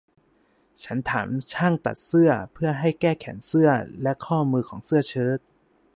ฉันถามช่างตัดเสื้อเพื่อให้แก้แขนเสื้อและข้อมือของเสื้อเชิ้ต